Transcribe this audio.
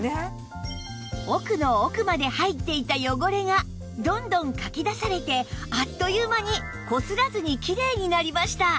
奥の奥まで入っていた汚れがどんどんかき出されてあっという間に擦らずにきれいになりました